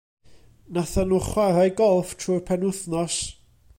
Nathon nhw chwarae golff trwy'r penwythnos.